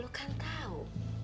lo kan tau